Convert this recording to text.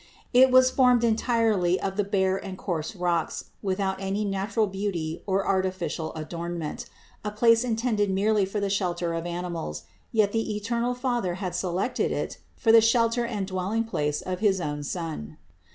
It was formed entirely of the bare and coarse rocks, with out any natural beauty or artificial adornment; a place intended merely for the shelter of animals ; yet the eternal Father had selected it for the shelter and dwelling place of his own Son.